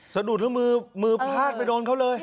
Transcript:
สะดุดแล้วมือพลาดไปโดนเขาเลย